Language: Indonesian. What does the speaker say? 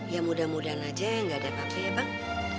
ya mudah mudahan aja gak ada apa apa ya bang